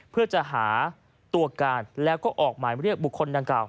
เพื่อจะหาตัวการแล้วก็ออกหมายเรียกบุคคลดังกล่าว